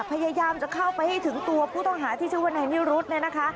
พยายามจะเข้าไปให้ถึงตัวผู้ต้องหาที่ชื่อว่านายนิรุธเนี่ยนะคะ